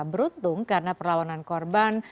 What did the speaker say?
beruntung karena perlawanan korban